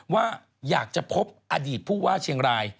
ว่าอยากจะพบอดีตผู้ว่าเชียงราย